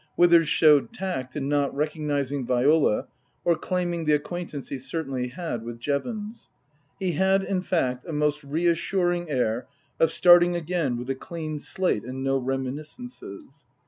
Withers showed tact in not recognizing Viola or claiming the acquaintance he certainly had with Jevons. He had, in fact, a most reassuring air of starting again with a clean slate and no reminiscences.